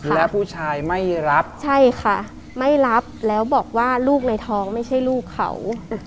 และผู้ชายไม่รับใช่ค่ะไม่รับแล้วบอกว่าลูกในท้องไม่ใช่ลูกเขา